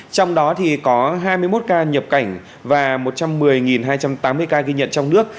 trong đó có hai mươi một ca nhập cảnh và một trăm một mươi hai trăm tám mươi ca ghi nhận trong nước